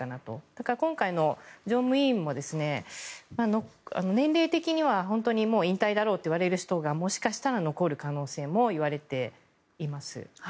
だから今回の常務委員も年齢的には、本当にもう引退だろうといわれる人がもしかしたら残る可能性もいわれています。